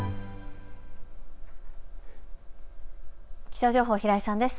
気象情報、平井さんです。